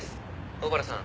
小原さん